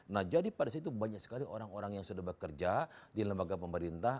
nah jadi pada saat itu banyak sekali orang orang yang sudah bekerja di lembaga pemerintah